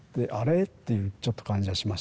っていうちょっと感じはしましたね。